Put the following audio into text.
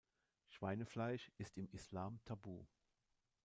Schweinefleisch ist im Islam tabu.